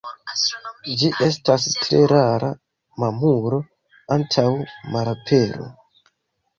Ĝi estas tre rara mamulo, antaŭ malapero.